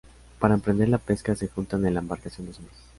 Para emprender la pesca, se juntan en la embarcación dos hombres.